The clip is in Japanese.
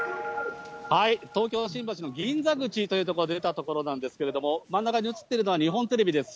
東京・新橋の銀座口という所を出た所なんですけれども、真ん中に映っているのは日本テレビです。